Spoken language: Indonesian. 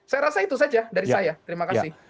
saya rasa itu saja dari saya terima kasih